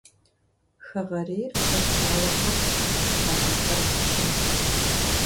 Хэгъэрейр куэд щӀауэ къэтт, хьэщӏэхэр щымт.